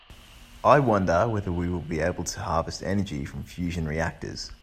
I wonder whether we will be able to harvest energy from fusion reactors.